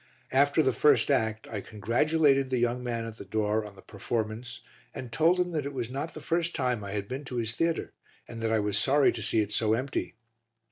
After the first act, I congratulated the young man at the door on the performance and told him it was not the first time I had been to his theatre, and that I was sorry to see it so empty.